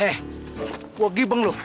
eh gue pergi bang